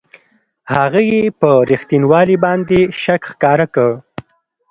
هغه یې پر رښتینوالي باندې شک ښکاره کړ.